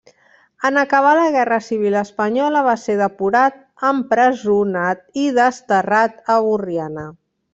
En acabar la Guerra Civil Espanyola va ser depurat, empresonat i desterrat de Borriana.